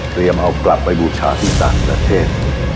เอากลับไปบูชาที่ต่างประเทศ